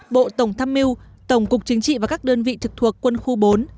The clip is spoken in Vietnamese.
bộ tổng thăm mưu tổng cục chính trị và các đơn vị thực thuộc quân khu bốn